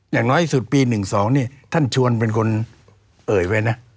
อย่างน้อยสุดปี๑๒นี่ท่านชวนเป็นคนเอ่ยไว้นะ